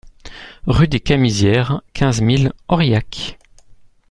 Rue des Camisières, quinze mille Aurillac